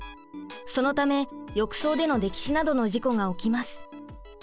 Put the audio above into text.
そのため浴槽での溺死などの事故が起きます。